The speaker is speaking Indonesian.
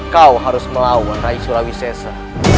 kau harus melawan rai surawisesa